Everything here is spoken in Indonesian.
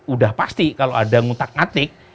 udah pasti kalau ada ngutak ngatik